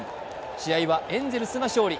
試合はエンゼルスが勝利